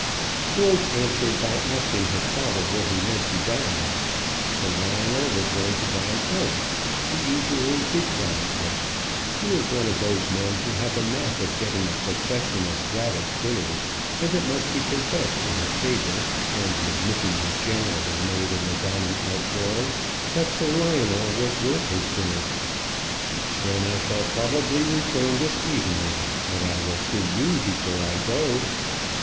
George answered by asking his father where he meant to dine. Sir Lionel was going to dine out. He usually did dine out. He was one of those men who have a knack of getting a succession of gratis dinners; and it must be confessed in his favour and the admission was generally made in the dining out world, that Sir Lionel was worth his dinner. "Then I shall probably return this evening; but I will see you before I go."